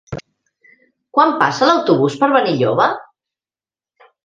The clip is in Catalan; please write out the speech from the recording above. Quan passa l'autobús per Benilloba?